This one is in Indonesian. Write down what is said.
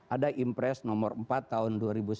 ada impres nomor empat tahun dua ribu sembilan belas